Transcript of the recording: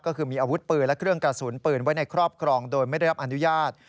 ก็คือมีอาวุธปืนและเครื่องกระสุนปืนไว้ในครอบครองโดยไม่ได้รับอนุญาต